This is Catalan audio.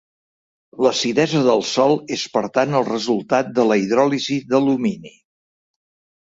L'acidesa del sòl és per tant el resultat de la hidròlisi d'alumini.